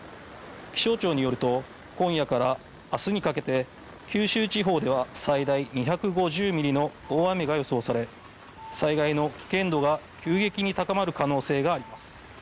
気象庁によると今夜から明日にかけて九州地方では最大２５０ミリの大雨が予想され災害の危険度が急激に高まる可能性があります。